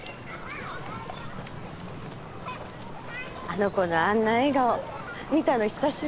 あの子のあんな笑顔見たの久しぶり。